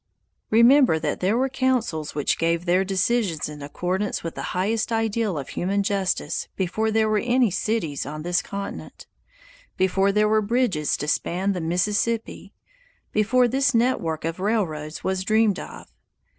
Remember that there were councils which gave their decisions in accordance with the highest ideal of human justice before there were any cities on this continent; before there were bridges to span the Mississippi; before this network of railroads was dreamed of!